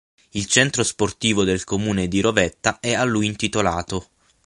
Il centro sportivo del comune di Rovetta è a lui intitolato.